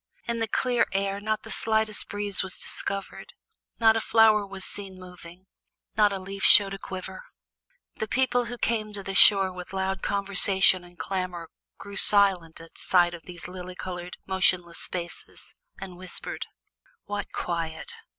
In the clear air not the slightest breeze was discovered, not a flower was seen moving, not a leaf showed a quiver. The people who had come to the shore with loud conversation and clamor grew silent at sight of those lily colored, motionless spaces, and whispered: "What quiet!